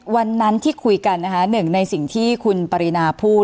วันนั้นที่คุยกันนะคะหนึ่งในสิ่งที่คุณปรินาพูด